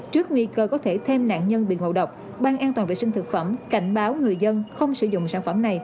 trước nguy cơ có thể thêm nạn nhân bị ngộ độc ban an toàn vệ sinh thực phẩm cảnh báo người dân không sử dụng sản phẩm này